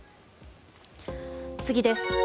次です。